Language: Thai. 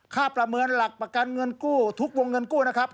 ประเมินหลักประกันเงินกู้ทุกวงเงินกู้นะครับ